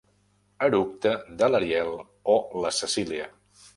Eructe de l'Ariel o la Cecília.